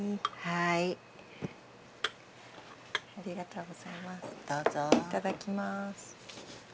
いただきます。